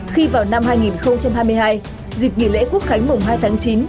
khi vào năm hai nghìn hai mươi hai dịp nghỉ lễ quốc khánh mùng hai tháng chín